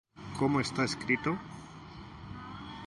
Como está escrito: